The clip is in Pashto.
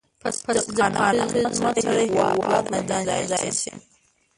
په صادقانه خدمت سره هیواد ودانېدای شي.